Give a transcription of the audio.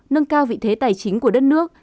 nâng cao vị thế tài chính của đất nước